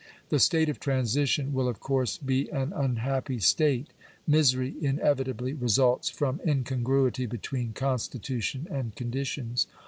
The state of transition will of course be an unhappy state, f Misery inevitably results from incongruity between constitution > and conditions.